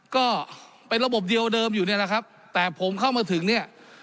ก็เป็นระบบเดียวเดิมอยู่เนี่ยแหละครับแต่ผมเข้ามาถึงเนี่ย